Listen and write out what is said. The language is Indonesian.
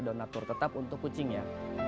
dan donatur tetap untuk kucingnya